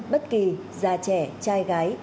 bất kỳ già trẻ trai gái